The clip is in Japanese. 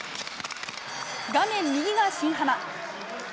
画面右が新濱。